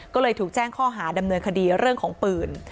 ก็เลยถูกแจ้งข้อหาดำเนินคดีเรื่องของปืน